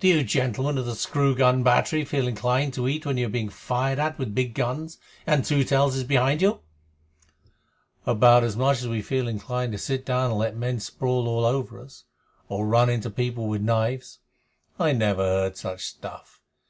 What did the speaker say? "Do you gentlemen of the screw gun battery feel inclined to eat when you are being fired at with big guns, and Two Tails is behind you?" "About as much as we feel inclined to sit down and let men sprawl all over us, or run into people with knives. I never heard such stuff.